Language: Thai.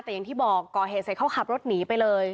แต่อย่างที่บอกก่อเหตุแต่เขาหนีไปเลย